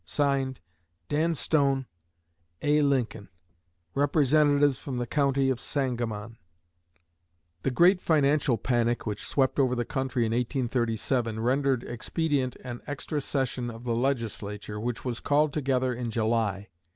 (Signed) DAN STONE, A. LINCOLN, Representatives from the County of Sangamon. The great financial panic which swept over the country in 1837 rendered expedient an extra session of the Legislature, which was called together in July.